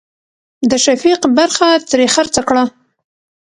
د شفيق برخه ترې خرڅه کړه.